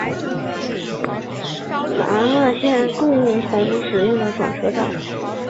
目前为芝加哥通勤铁路和南岸线共同使用的转车站。